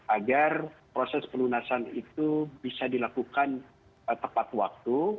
agar proses pelunasan itu bisa dilakukan tepat waktu